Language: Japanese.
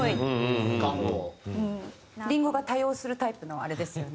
林檎が多用するタイプのあれですよね。